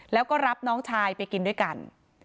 แล้วก็รับน้องชายไปกินด้วยกัน